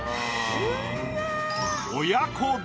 親子丼？